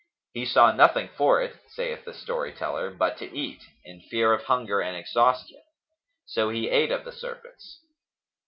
He saw nothing for it (saith the story teller) but to eat, in fear of hunger and exhaustion; so he ate of the serpents.